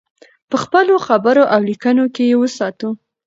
په خپلو خبرو او لیکنو کې یې وساتو.